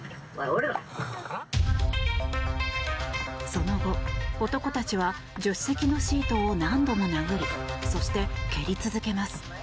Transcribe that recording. その後、男たちは助手席のシートを何度も殴りそして、蹴り続けます。